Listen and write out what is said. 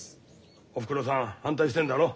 おふくろさん反対してんだろ。